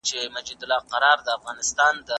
د کیږدۍ پر ګودرونو څو شېبو ته مي زړه کیږي